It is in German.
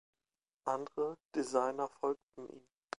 Andere Designer folgten ihm.